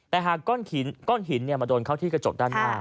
แต่หากก้อนหินมาโดนเข้าที่กระจกด้านหน้า